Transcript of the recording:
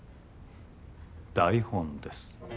台本です